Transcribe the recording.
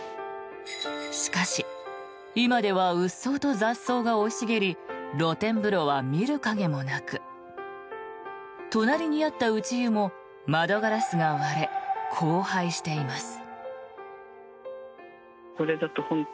しかし、今ではうっそうと雑草が生い茂り露天風呂は見る影もなく隣にあった内湯も窓ガラスが割れ荒廃しています。